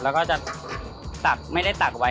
แล้วก็จะตักไม่ได้ตักไว้